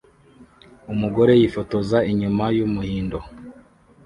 Umugore yifotoza inyuma yumuhindo